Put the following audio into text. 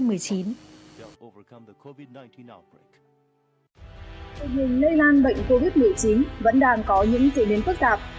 tình hình lây lan bệnh covid một mươi chín vẫn đang có những diễn biến phức tạp